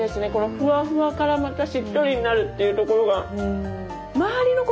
ふわふわからまたしっとりになるっていうところが。